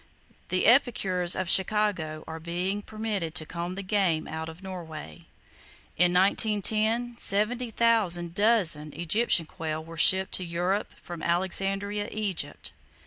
The epicures of Chicago are being permitted to comb the game out of Norway. In 1910, 70,000 dozen Egyptian quail were shipped to Europe from Alexandria, Egypt.